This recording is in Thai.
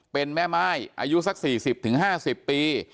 เป็นแม่ไม้อายุสักสี่สิบถึงห้าสิบปี